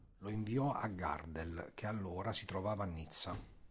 Lo inviò a Gardel che allora si trovava a Nizza.